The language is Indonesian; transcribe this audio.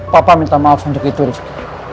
papa minta maaf untuk itu rizky